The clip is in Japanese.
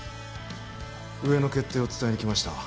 上の決定を伝えにきました